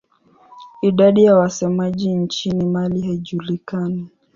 Idadi ya wasemaji nchini Mali haijulikani.